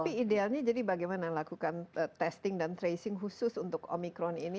tapi idealnya jadi bagaimana lakukan testing dan tracing khusus untuk omikron ini